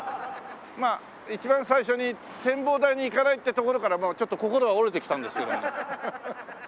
一番最初に展望台に行かないってところからもうちょっと心が折れてきたんですけどもね。